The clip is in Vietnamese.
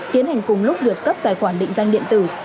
tiến hành cùng lúc việc cấp tài khoản định danh điện tử